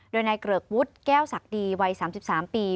โดยนายเกริกวุฒิแก้วศักดีวัย๓๓ปี